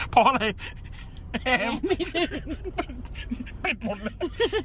โปรดติดตามตอนต่อไป